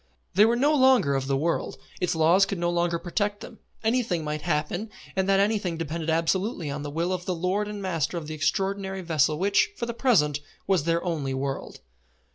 They were no longer of the world. Its laws could no longer protect them. Anything might happen, and that anything depended absolutely on the will of the lord and master of the extraordinary vessel which, for the present, was their only world.